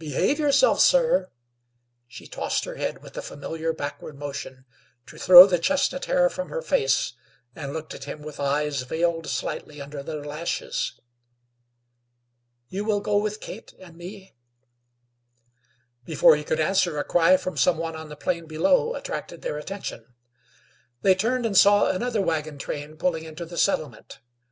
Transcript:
"Behave yourself, sir." She tossed her head with a familiar backward motion to throw the chestnut hair from her face, and looked at him with eyes veiled slightly under their lashes. "You will go with Kate and me?" Before he could answer, a cry from some one on the plain below attracted their attention. They turned and saw another wagon train pulling into the settlement.